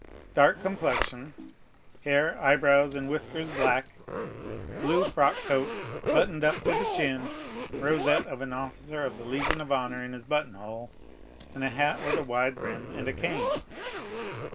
"Dark complexion; hair, eyebrows, and whiskers black; blue frock coat, buttoned up to the chin; rosette of an officer of the Legion of Honor in his button hole; a hat with wide brim, and a cane."